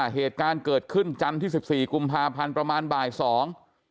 เหตุการณ์เกิดขึ้นจันที่๑๔กุมภาพันธุ์ประมาณ๑๒๐๐น